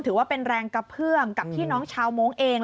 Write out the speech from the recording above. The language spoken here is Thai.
ถือว่าเป็นแรงกระเพื่อมกับพี่น้องชาวโม้งเอง